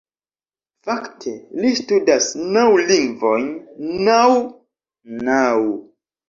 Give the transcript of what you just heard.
Fakte, li studas naŭ lingvojn naŭ? naŭ